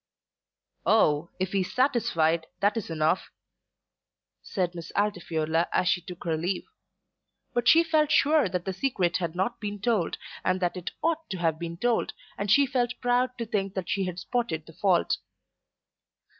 "Oh, if he is satisfied, that is enough," said Miss Altifiorla as she took her leave. But she felt sure that the secret had not been told, and that it ought to have been told, and she felt proud to think that she had spotted the fault.